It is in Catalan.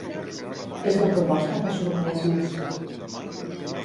És la proposta que ha sorprès més.